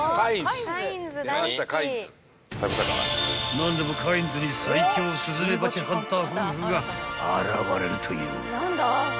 ［何でもカインズに最強スズメバチハンター夫婦が現れるという］